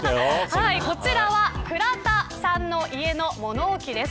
こちらは倉田さんの家の物置です。